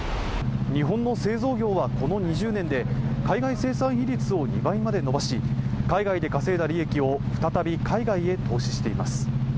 日本の製造業は、この２０年で海外生産比率を２倍まで伸ばし海外で稼いだ利益を再び海外へ投資しています。